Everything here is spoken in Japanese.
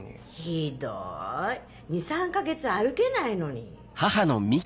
ひどい２３か月歩けないのに。